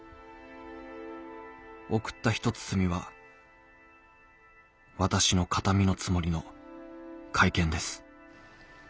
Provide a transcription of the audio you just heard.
送った一包みは私の形見のつもりの懐剣です」。